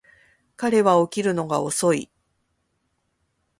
彼は起きるのが遅い